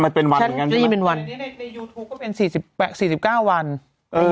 มันเป็นวันเป็นวันในยูทูปก็เป็นสี่สิบแปดสี่สิบเก้าวันใน